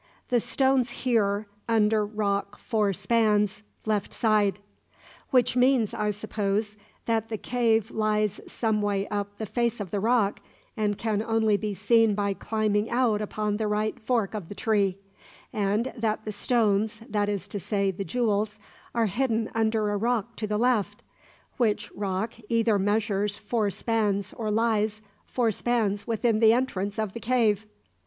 The stones here, under rock four spans, left side'" " Which means, I suppose, that the cave lies some way up the face of the rock, and can only be seen by climbing out upon the right fork of the tree; and that the stones that is to say, the jewels are hidden under a rock to the left; which rock either measures four spans or lies, four spans within the entrance of the cave."